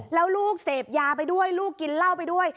แล้วลูกเสพยาไปด้วยลูกกินเหล้าไปด้วย